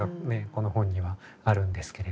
この本にはあるんですけれども。